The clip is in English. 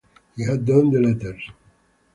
He had done the letters.